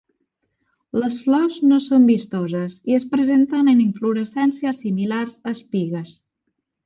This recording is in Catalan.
Les flors no són vistoses i es presenten en inflorescències similars a espigues.